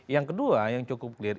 yang kedua yang cukup clear